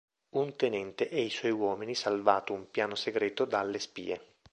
Un tenente e i suoi uomini salvato un piano segreto dalle spie.